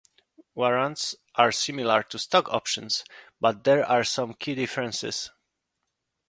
Warrants are similar to stock options, but there are some key differences.